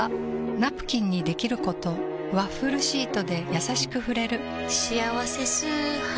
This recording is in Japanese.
ナプキンにできることワッフルシートでやさしく触れる「しあわせ素肌」